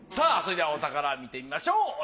それではお宝見てみましょう。